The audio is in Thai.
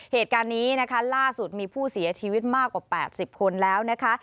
เหตุการณ์นี้นะคะล่าสุดมีผู้เสียชีวิตมากกว่า๘๐คนแล้วนะคะ